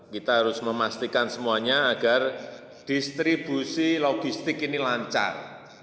kita harus memastikan semuanya agar distribusi logistik ini lancar